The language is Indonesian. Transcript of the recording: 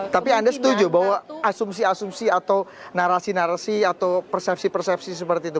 tapi anda setuju bahwa asumsi asumsi atau narasi narasi atau persepsi persepsi seperti itu